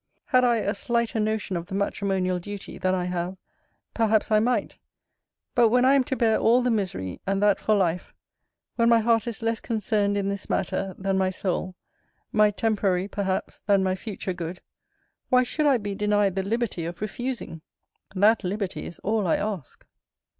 Had I a slighter notion of the matrimonial duty than I have, perhaps I might. But when I am to bear all the misery, and that for life; when my heart is less concerned in this matter, than my soul; my temporary, perhaps, than my future good; why should I be denied the liberty of refusing? That liberty is all I ask.